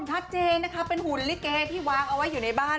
ชัดเจนนะคะเป็นหุ่นลิเกที่วางเอาไว้อยู่ในบ้าน